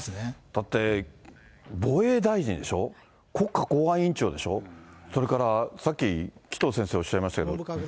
だって防衛大臣でしょ、国家公安委員長でしょ、それからさっき、紀藤先生おっしゃいましたけど。